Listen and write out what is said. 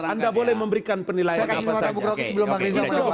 anda boleh memberikan penilaian apa saja